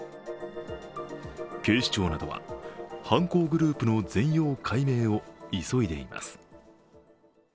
警視庁などは、犯行グループの全容解明を急いでいます。